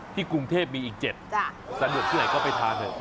กรุงเทพมีอีก๗สะดวกที่ไหนก็ไปทานเถอะ